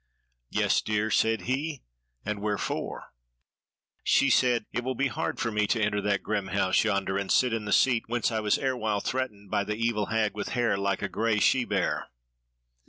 "Yea, dear," said he, "and wherefore?" She said: "It will be hard for me to enter that grim house yonder, and sit in the seat whence I was erewhile threatened by the evil hag with hair like a grey she bear."